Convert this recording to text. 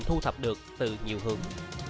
thu thập được từ nhiều hướng